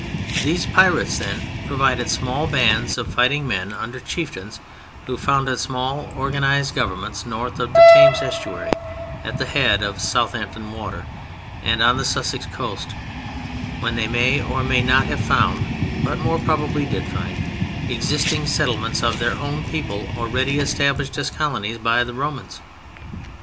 These pirates then provided small bands of fighting men under chieftains who founded small organized governments north of the Thames Estuary, at the head of Southampton Water, and on the Sussex coast, when they may or may not have found (but more probably did find) existing settlements of their own people already established as colonies by the Romans.